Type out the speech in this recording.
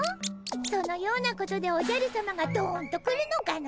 そのようなことでおじゃるさまがどんと来るのかの？